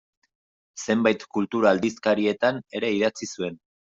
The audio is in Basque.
Zenbait kultura aldizkaritan ere idatzi zuen.